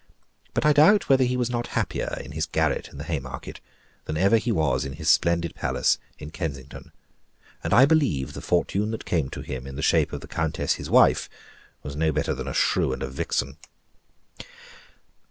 But I doubt whether he was not happier in his garret in the Haymarket, than ever he was in his splendid palace at Kensington; and I believe the fortune that came to him in the shape of the countess his wife was no better than a shrew and a vixen.